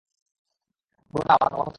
বলো না আমার বাবা কোথায়!